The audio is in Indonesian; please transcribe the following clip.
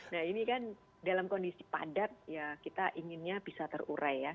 nah ini kan dalam kondisi padat ya kita inginnya bisa terurai ya